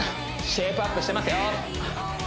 シェイプアップしてますよ